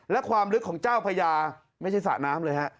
และความลึกของเจ้าพญาไม่ใช่สระน้ำเลยฮะ